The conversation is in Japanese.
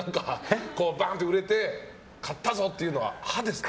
バンと売れて買ったぞというのは歯だけですか。